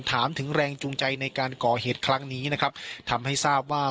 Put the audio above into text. ถามถึงแรงจูงใจในการก่อเหตุครั้งนี้นะครับทำให้ทราบว่า